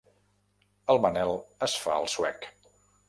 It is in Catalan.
El Manel es fa el suec.